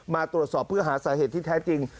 มาตรวจสอบเพื่อหาสาเหตุที่แท้จริง